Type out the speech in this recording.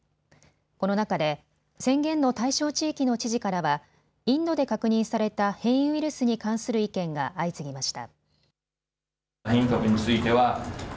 この中で宣言の対象地域の知事からはインドで確認された変異ウイルスに関する意見が相次ぎました。